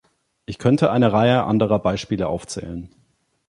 Ich könnte eine Reihe anderer Beispiele aufzählen.